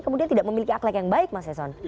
kemudian tidak memiliki akhlak yang baik mas eson